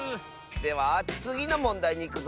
ではつぎのもんだいにいくぞ。